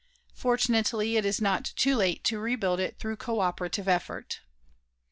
Fortunately, it is not too late to rebuild it through coöperative effort.